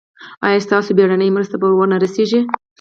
ایا ستاسو بیړنۍ مرسته به ور نه رسیږي؟